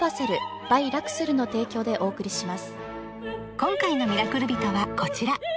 ［今回の『ミラクルビト』はこちら］